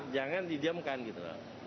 jangan didiamkan gitu